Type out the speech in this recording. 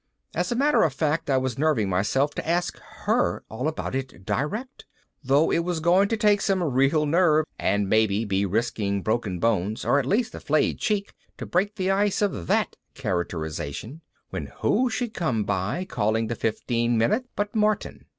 _ As a matter of fact I was nerving myself to ask her all about it direct, though it was going to take some real nerve and maybe be risking broken bones or at least a flayed cheek to break the ice of that characterization, when who should come by calling the Fifteen Minutes but Martin.